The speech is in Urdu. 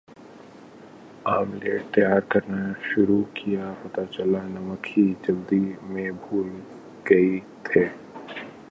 آملیٹ تیار کرنا شروع کیا پتا چلا نمک ہم جلدی میں بھول گئےتھے